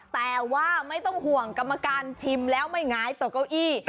แต่ว่าไม่ต้องห่วงกรรมการชิมแล้วไม่หงายต่อเก้าอี้